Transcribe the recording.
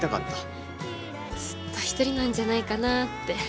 ずっとひとりなんじゃないかなって。